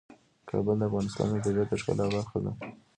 کابل د افغانستان د طبیعت د ښکلا برخه ده.